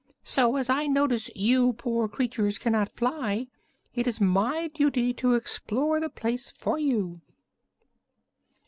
So, as I notice you poor creatures cannot fly, it is my duty to explore the place for you."